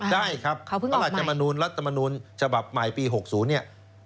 ได้ครับเพราะรัฐจำนวนรัฐจำนวนฉบับใหม่ปี๖๐